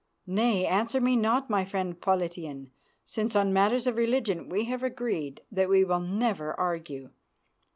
Nay, answer me not, friend Politian, since on matters of religion we have agreed that we will never argue.